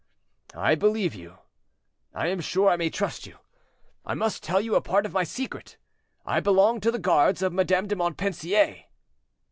"I believe you; I am sure I may trust you. I must tell you a part of my secret. I belong to the guards of Madame de Montpensier."